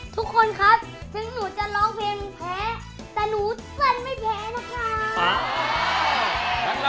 ทุกคนครับถึงหนูจะร้องเพลงแพ้แต่หนูสั่นไม่แพ้นะคะ